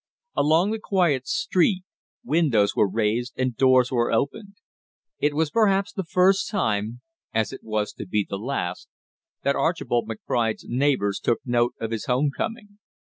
Along the quiet street, windows were raised and doors were opened. It was perhaps the first time, as it was to be the last, that Archibald McBride's neighbors took note of his home coming.